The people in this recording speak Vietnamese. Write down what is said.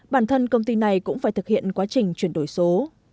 bản thân công ty này cũng phải thực hiện quá trình chuyển đổi số